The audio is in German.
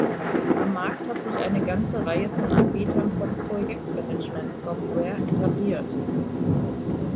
Am Markt hat sich eine ganze Reihe von Anbietern von Projektmanagementsoftware etabliert.